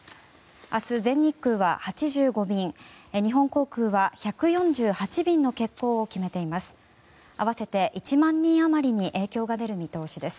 明日、全日空は８５便日本航空は１４８便の欠航を決めています。